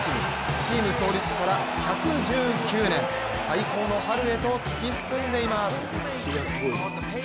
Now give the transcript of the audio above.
チーム創立から１１９年、最高の春へと突き進んでいます。